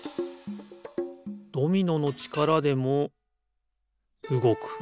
ドミノのちからでもうごく。